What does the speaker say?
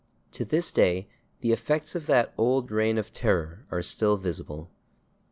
To this day the effects of that old reign of terror are still visible.